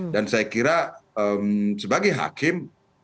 dan saya kira sebagai hakim